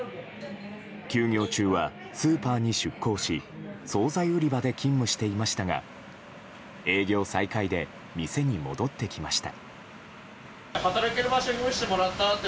休業中はスーパーに出向し総菜売り場で勤務していましたが営業再開で店に戻ってきました。